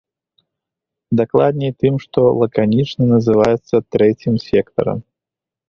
Дакладней, тым, што лаканічна называецца трэцім сектарам.